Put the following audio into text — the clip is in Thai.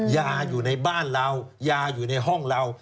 ยาอยู่ในบ้านเรายาอยู่ในห้องเรา